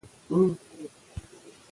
ژوند ته مینه ورکړه مینه به درکړي